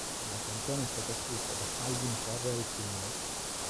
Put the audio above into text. La canzone è stata scritta da Calvin Ferrell Sr.